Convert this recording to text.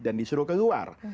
dan disuruh keluar